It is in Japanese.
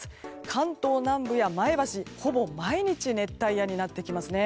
関東南部や前橋ほぼ毎日熱帯夜になってきます。